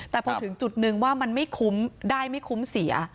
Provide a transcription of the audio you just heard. แต่พอถึงจุดนึงว่ามันไม่คุ้มได้ไม่คุ้มเสีย